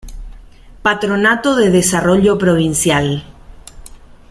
Patronato de Desarrollo Provincial.